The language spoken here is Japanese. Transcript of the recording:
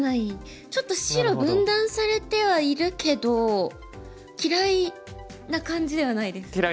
ちょっと白分断されてはいるけど嫌いな感じではないです